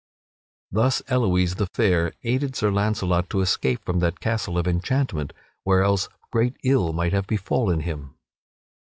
Thus Elouise the Fair aided Sir Launcelot to escape from that castle of enchantment, where else great ill might have befallen him.